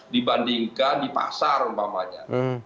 dibandingkan di pasar umpamanya